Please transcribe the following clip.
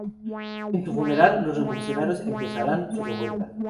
En su funeral los revolucionarios empezarán su revuelta.